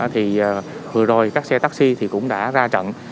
thì vừa rồi các xe taxi thì cũng đã ra trận